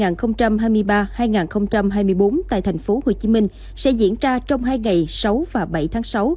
năm hai mươi ba hai nghìn hai mươi bốn tại tp hcm sẽ diễn ra trong hai ngày sáu và bảy tháng sáu